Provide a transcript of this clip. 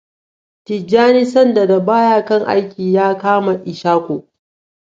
Tijjani sandan da baya kan aiki ya kama Ishaku.